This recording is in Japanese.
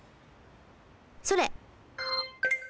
それ。